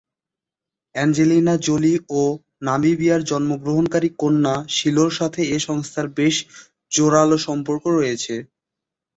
Angelina Jolie ও নামিবিয়ায় জন্মগ্রহণকারী কন্যা শিলো’র সাথে এ সংস্থার বেশ জোড়ালো সম্পর্ক রয়েছে।